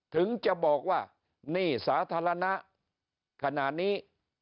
ถึงจะบอกว่าหนี้สาธารณะขนาดนี้